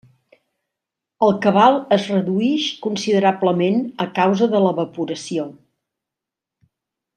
El cabal es reduïx considerablement a causa de l'evaporació.